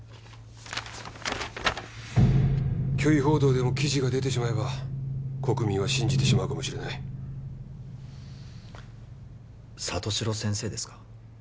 虚偽報道でも記事が出てしまえば国民は信じてしまうかもしれない里城先生ですか？